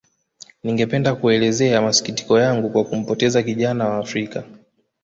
Ningependa kuelezea masikitiko yangu kwa kumpoteza kijana wa Afrika